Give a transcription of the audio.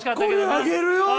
あげるよ！